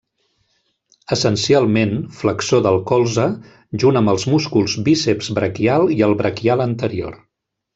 Essencialment flexor del colze junt amb els músculs bíceps braquial i el braquial anterior.